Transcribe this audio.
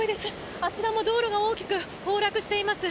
あちらの道路が大きく崩落しています。